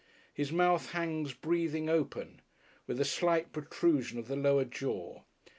His mouth hangs breathing open, with a slight protrusion of the lower jaw.